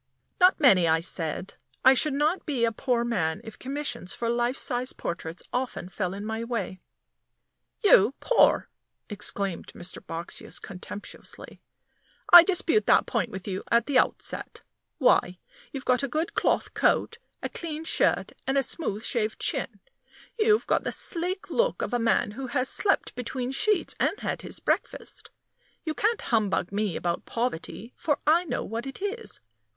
"Not many," I said. "I should not be a poor man if commissions for life size portraits often fell in my way." "You poor!" exclaimed Mr. Boxsious, contemptuously. "I dispute that point with you at the outset. Why, you've got a good cloth coat, a clean shirt, and a smooth shaved chin. You've got the sleek look of a man who has slept between sheets and had his breakfast. You can't humbug me about poverty, for I know what it is.